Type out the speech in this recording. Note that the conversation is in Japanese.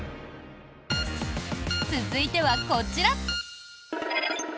続いてはこちら。